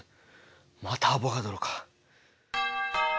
またアボガドロか。